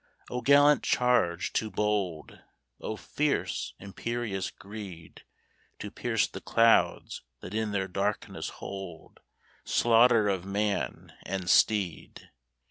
O gallant charge, too bold! O fierce, imperious greed To pierce the clouds that in their darkness hold Slaughter of man and steed!